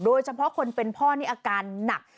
โดยเฉพาะคนเป็นพ่อนี่อาการหนัก